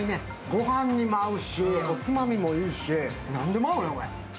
御飯にも合うし、おつまみにもいいし何にでも合うね。